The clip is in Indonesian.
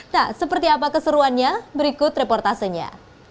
nah seperti apa keseruannya berikut reportasenya